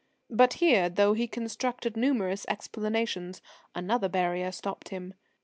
But here, though he constructed numerous explanations, another barrier stopped him.